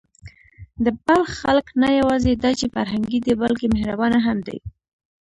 د بلخ خلک نه یواځې دا چې فرهنګي دي، بلکې مهربانه هم دي.